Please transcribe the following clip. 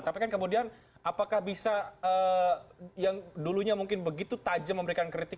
tapi kan kemudian apakah bisa yang dulunya mungkin begitu tajam memberikan kritik